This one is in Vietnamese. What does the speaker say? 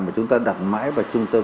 mà chúng ta đặt mãi vào trung tâm